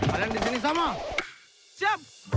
kalian di sini sama